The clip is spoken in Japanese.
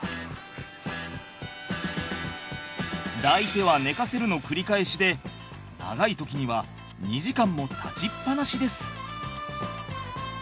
抱いては寝かせるの繰り返しで長い時には２時間も立ちっぱなしです。